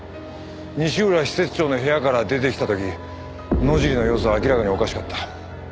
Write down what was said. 西浦施設長の部屋から出てきた時野尻の様子は明らかにおかしかった。